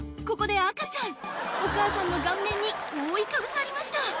ここで赤ちゃんお母さんの顔面に覆いかぶさりました！